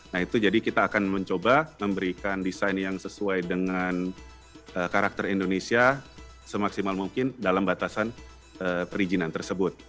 nah itu jadi kita akan mencoba memberikan desain yang sesuai dengan karakter indonesia semaksimal mungkin dalam batasan perizinan tersebut